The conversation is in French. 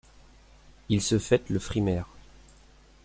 Il se fête le frimaire.